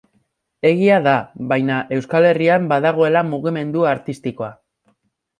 Egia da, baina, Euskal Herrian badagoela mugimendu artistikoa.